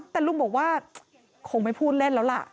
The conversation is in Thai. แต่ลุงบอกว่าคงไม่พูดเล่นแล้วล่ะ